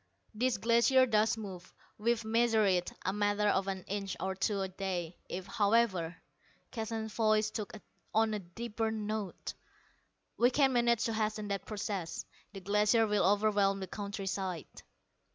"This glacier does move. We've measured it a matter of an inch or two a day. If, however," Keston's voice took on a deeper note "we can manage to hasten that process, the Glacier will overwhelm the countryside."